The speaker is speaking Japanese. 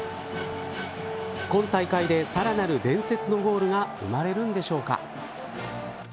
今大会で、さらなる伝説のゴールが生まれるんでしょうか。